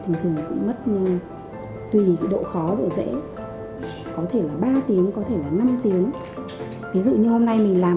thường cũng mất nhanh tùy độ khó độ dễ có thể là ba tiếng có thể là năm tiếng ví dụ như hôm nay mình làm